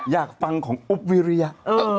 อยากฟังของอุ๊บวิริยะ